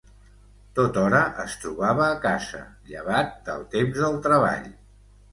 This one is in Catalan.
Tothora es trobava a casa, llevat del temps del treball.